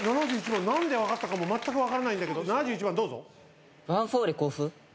７１番何で分かったかもまったく分からないんだけど７１番どうぞ。